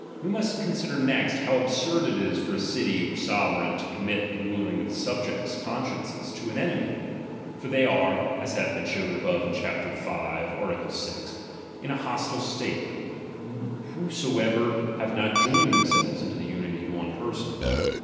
We must consider next, how absurd it is for a city or sovereign to commit the ruling of his subjects' consciences to an enemy ; for they are, as hath been showed above in chap. v. art. 6, in an hostile state, whosoever have not joined themselves into the luiity of one person.